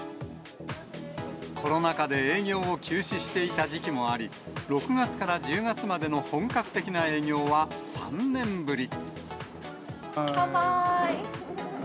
コロナ禍で営業を休止していた時期もあり、６月から１０月までの本格的な営業は３年ぶり。